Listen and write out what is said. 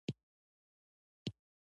د زعفرانو پیاز کله وکرم؟